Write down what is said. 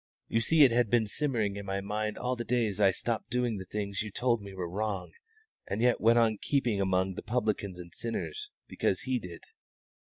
You see it had been simmering in my mind all the days that I stopped doing the things you told me were wrong and yet went on keeping among the publicans and sinners because He did.